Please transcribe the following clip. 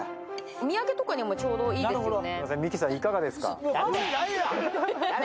お土産とかにもちょうどいいですね。